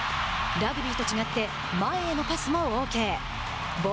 ラグビーと違って前へのパスもオーケー。